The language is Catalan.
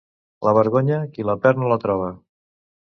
La vergonya, qui la perd, no la troba.